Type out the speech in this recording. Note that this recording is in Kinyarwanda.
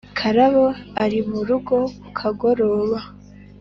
Karabo ari mu rugo ku kagoroba.